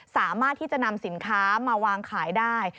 สามารถที่จะนำสินค้ามาวางขายได้